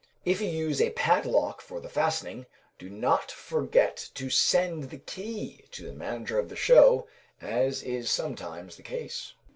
If you use a padlock for the fastening, do not forget to send the key to the manager of the show, as is sometimes the case.